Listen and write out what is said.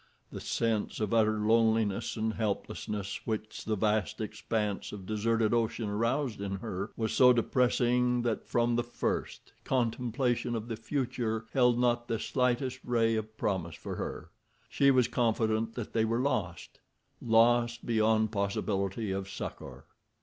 The sense of utter loneliness and helplessness which the vast expanse of deserted ocean aroused in her was so depressing that, from the first, contemplation of the future held not the slightest ray of promise for her. She was confident that they were lost—lost beyond possibility of succor.